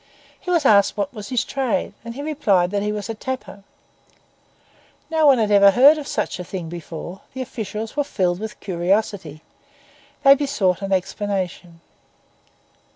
He was asked what was his trade, and replied that he was a tapper. No one had ever heard of such a thing before; the officials were filled with curiosity; they besought an explanation.